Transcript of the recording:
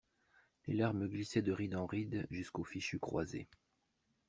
Les larmes glissaient de ride en ride jusqu'au fichu croisé.